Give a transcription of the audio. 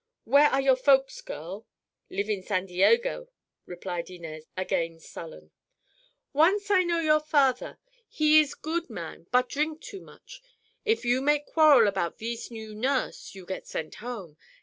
Where are your folks, girl?" "Live in San Diego," replied Inez, again sullen. "Once I know your father. He ees good man, but drink too much. If you make quarrel about thees new nurse, you get sent home.